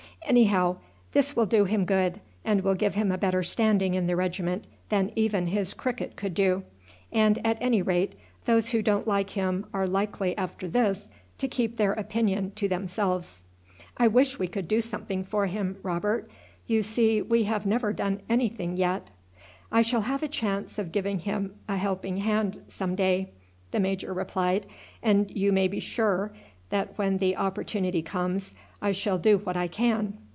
Anyhow, this will do him good, and will give him a better standing in the regiment than even his cricket could do; and, at any rate, those who don't like him are likely after this to keep their opinion to themselves." "I wish we could do something for him, Robert. You see, we have never done anything yet." "I shall have a chance of giving him a helping hand some day," the major replied, "and you may be sure that when the opportunity comes I shall do what I can.